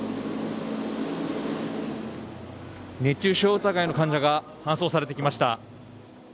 熱中症疑いの患者が搬送されてきました。